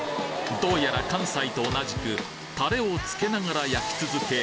どうやら関西と同じくタレをつけながら焼き続け